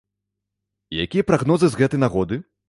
Якія прагнозы з гэтай нагоды?